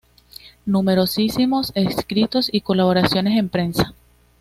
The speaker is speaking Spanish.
Numerosísimos escritos y colaboraciones en prensa.